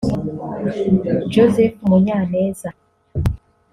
Joseph Munyaneza